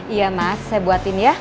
iya mas saya buatin ya